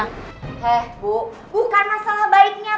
hei bu bukan masalah baiknya